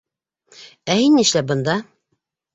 Ә һин нишләп бында?